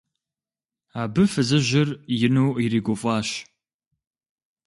Абы фызыжьыр ину иригуфӀащ.